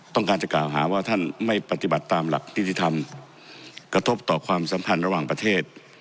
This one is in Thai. ต้องการจะกล่าวหาว่าท่านไม่ปฏิบัติตามหลักนิติธรรมกระทบต่อความสัมพันธ์ระหว่างประเทศ